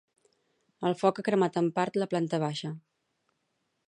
El foc ha cremat en part la planta baixa.